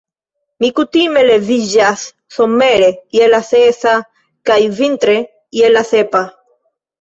Mi kutime leviĝas somere je la sesa kaj vintre je la sepa.